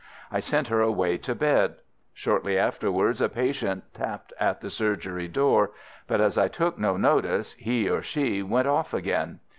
I sent her away to bed. Shortly afterwards a patient tapped at the surgery door, but as I took no notice, he or she went off again.